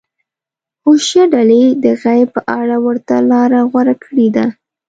حشویه ډلې د غیب په اړه ورته لاره غوره کړې ده.